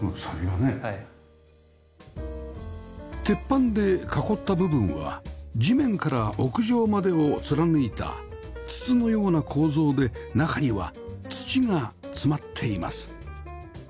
鉄板で囲った部分は地面から屋上までを貫いた筒のような構造で中には土が詰まっています